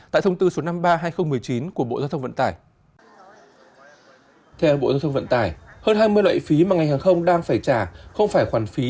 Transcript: theo bộ giao thông vận tải hơn hai mươi loại phí mà ngành hàng không đang phải trả không phải khoản phí